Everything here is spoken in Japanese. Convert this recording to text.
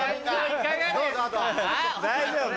大丈夫？